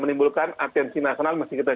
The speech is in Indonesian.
menimbulkan atensi nasional mesti kita